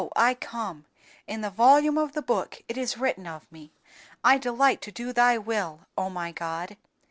I come; in the volume of the book it is written of Me, I delight to do Thy will, O my God.